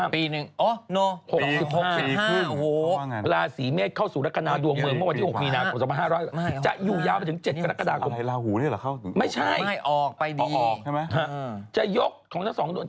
ปี๑อ๊อโอ้ว๖๕